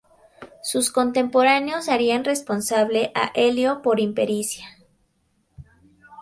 Sus contemporáneos harían responsable a Elío por impericia.